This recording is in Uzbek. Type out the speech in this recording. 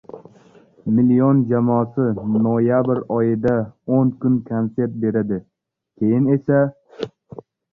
«Million» jamoasi noyabr oyida o'n kun konsert beradi. keyin esa...